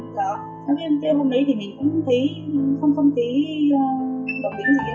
đó là cái đêm hôm đấy thì mình cũng thấy không phong tí đồng ý gì